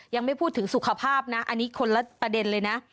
ยังไม่พูดถึงสุขภาพนะอันนี้คนละประเด็นเลยนะ